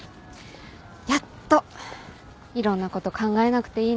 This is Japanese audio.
やっといろんなこと考えなくていいんだって。